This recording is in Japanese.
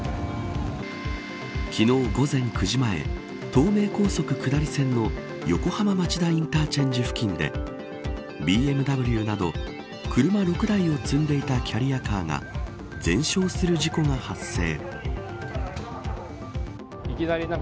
昨日、午前９時前東名高速下り線の横浜町田インターチェンジ付近でＢＭＷなど車６台を積んでいたキャリアカーが全焼する事故が発生。